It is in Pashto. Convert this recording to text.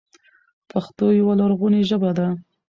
پښتو يوه لرغونې ژبه ده،